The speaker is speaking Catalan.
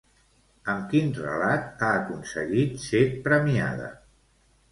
Amb quin relat ha aconseguit ser premiada?